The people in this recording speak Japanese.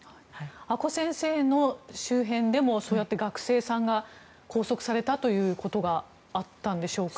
阿古先生の周辺でもそうやって学生さんが拘束されたことがあったんでしょうか。